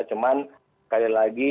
cuman sekali lagi